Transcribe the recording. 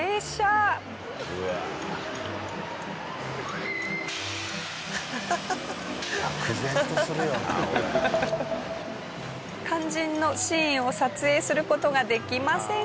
肝心のシーンを撮影する事ができませんでした。